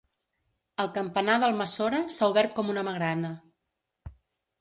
El campanar d'Almassora s'ha obert com una magrana.